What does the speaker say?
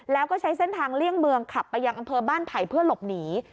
แล้วก็ใช้เส้นทางเลี่ยงเมืองขับไปยังอำเภอบ้านไผ่เพื่อหลบหนี